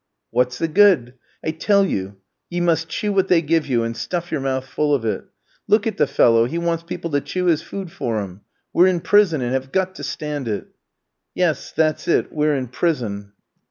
"What's the good? I tell you ye must chew what they give you, and stuff your mouth full of it. Look at the fellow, he wants people to chew his food for him. We're in prison, and have got to stand it." "Yes, that's it; we're in prison."